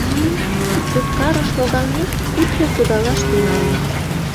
Туткарыш логалмек, «пӱчӧ» кудалаш тӱҥалын...